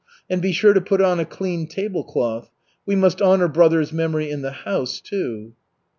And be sure to put on a clean table cloth. We must honor brother's memory in the house, too."